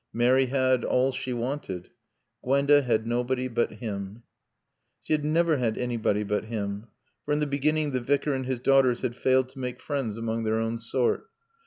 Mary had all she wanted. Gwenda had nobody but him. She had never had anybody but him. For in the beginning the Vicar and his daughters had failed to make friends among their own sort.